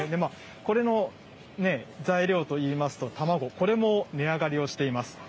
これの材料といいますと卵、これも値上がりをしています。